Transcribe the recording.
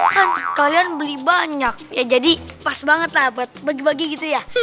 kan kalian beli banyak ya jadi pas banget lah buat bagi bagi gitu ya